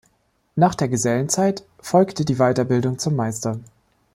Nach der Gesellenzeit folgte die Weiterbildung zum Meister.